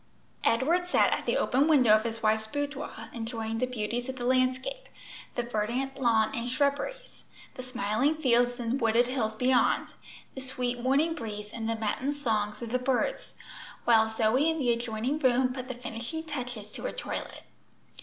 Edward sat at the open window of his wife's boudoir enjoying the beauties of the landscape the verdant lawn and shrubberies, the smiling fields and wooded hills beyond the sweet morning breeze and the matin songs of the birds, while Zoe in the adjoining room put the finishing touches to her toilet.